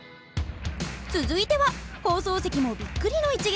続いては放送席もびっくりの一撃。